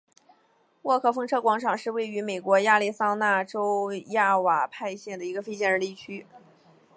沃克风车广场是位于美国亚利桑那州亚瓦派县的一个非建制地区。